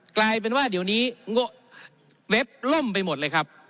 กลายเป็นว่าเดี๋ยวนี้เว็บล่มไปหมดเลยครับ